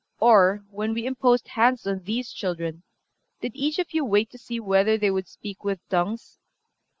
Or, when we imposed hands on these children, did each of you wait to see whether they would speak with tongues?...